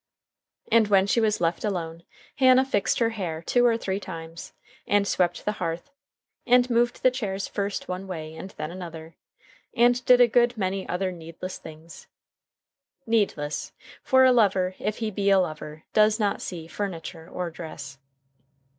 And when she was left alone, Hannah fixed her hair two or three times, and swept the hearth, and moved the chairs first one way and then another, and did a good many other needless things. Needless: for a lover, if he be a lover, does not see furniture or dress.